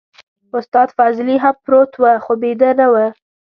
استاد فضلي هم پروت و خو بيده نه و.